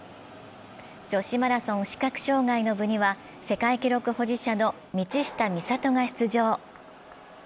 女子マラソン視覚障害の部には世界記録保持者の道下美里が出場。